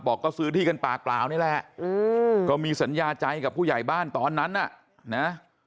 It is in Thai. ก็ซื้อที่กันปากเปล่านี่แหละก็มีสัญญาใจกับผู้ใหญ่บ้านตอนนั้นน่ะนะ